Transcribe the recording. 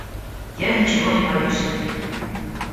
Я ничего не боюсь!